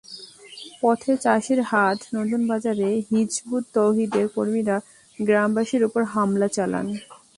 পথে চাষির হাট নতুন বাজারে হিজবুত তওহিদের কর্মীরা গ্রামবাসীর ওপর হামলা চালান।